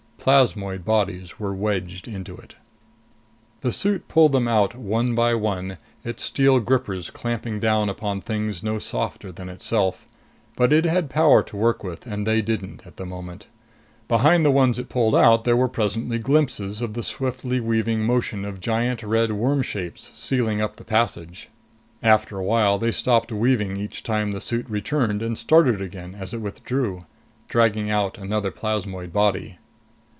Plasmoid bodies were wedged into it. The suit pulled them out one by one, its steel grippers clamping down upon things no softer than itself. But it had power to work with and they didn't, at the moment. Behind the ones it pulled out there were presently glimpses of the swiftly weaving motion of giant red worm shapes sealing up the passage. After a while, they stopped weaving each time the suit returned and started again as it withdrew, dragging out another plasmoid body.